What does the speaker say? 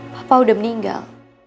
papa udah meninggal